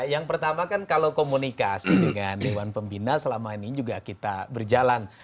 yang pertama kan kalau komunikasi dengan dewan pembina selama ini juga kita berjalan